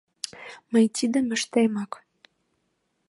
Мый тидым ыштемак...